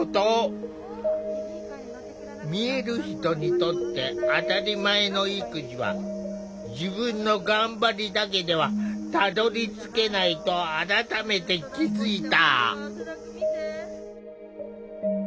見える人にとって当たり前の育児は自分の頑張りだけではたどりつけないと改めて気付いた。